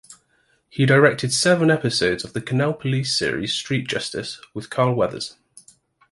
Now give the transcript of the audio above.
He directed seven episodes of the Cannell police series Street Justice with Carl Weathers.